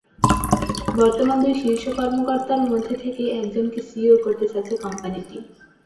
বর্তমান দুই শীর্ষ কর্মকর্তার মধ্য থেকেই একজনকে সিইও করতে চাচ্ছে কোম্পানিটি।